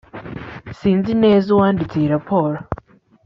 sinzi neza uwanditse iyi raporo